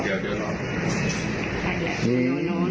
คุณแค่เงินหลับผมอยู่นะครับ